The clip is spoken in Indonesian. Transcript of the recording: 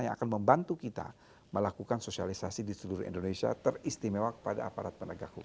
yang akan membantu kita melakukan sosialisasi di seluruh indonesia teristimewa kepada aparat penegak hukum